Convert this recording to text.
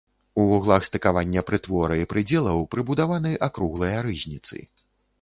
У вуглах стыкавання прытвора і прыдзелаў прыбудаваны акруглыя рызніцы.